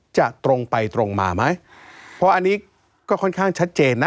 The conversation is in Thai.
ตรงไปตรงมาไหมเพราะอันนี้ก็ค่อนข้างชัดเจนนะ